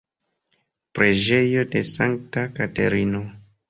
Preĝejo de Sankta Katerino.